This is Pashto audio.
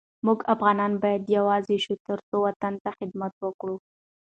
مونږ افغانان باید یوزاي شو ترڅو وطن ته خدمت وکړو